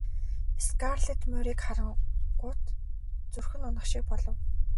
Скарлетт морийг харангуут зүрх нь унах шиг болов.